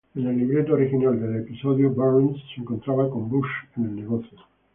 En el libreto original del episodio, Burns se encontraba con Bush en el negocio.